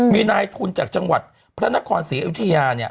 มีนายทุนจากจังหวัดพระนครศรีเอวิทยา